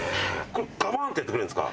これガバンッてやってくれるんですか？